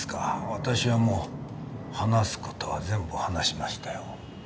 私はもう話す事は全部話しましたよ。